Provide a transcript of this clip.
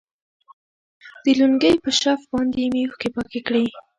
د لونگۍ په شف باندې مې اوښکې پاکې کړي.